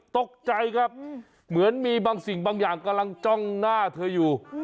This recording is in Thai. ตกใจครับเหมือนมีบางสิ่งบางอย่างกำลังจ้องหน้าเธออยู่